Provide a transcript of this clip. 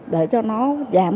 để cho nó giảm